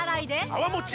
泡もち